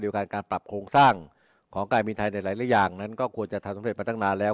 โดยวังต้องการตับโครงสร้างของกายบินไทยและหลายอย่างก็ควรจะทำสำเร็จมาตั้งนานแล้ว